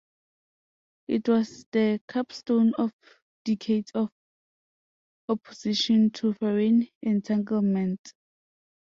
It was the capstone of decades of opposition to foreign entanglements.